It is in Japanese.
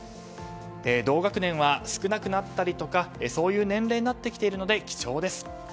同学年は少なくなったりとかそういう年齢になってきているので貴重です。